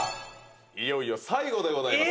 いよいよ最後でございます。